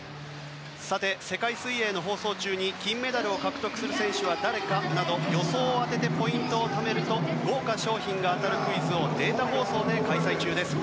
世界水泳の放送中に金メダルを獲得する選手は誰かなど予想を当ててポイントをためると豪華賞品が当たるクイズをデータ放送で開催中です。